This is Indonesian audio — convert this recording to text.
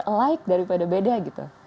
alike daripada beda gitu